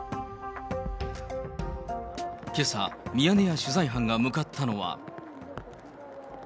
けさ、ミヤネ屋取材班が向かったのは。